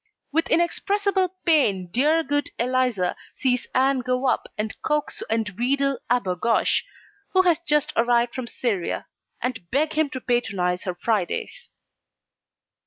With inexpressible pain dear good Eliza sees Ann go up and coax and wheedle Abou Gosh, who has just arrived from Syria, and beg him to patronize her Fridays.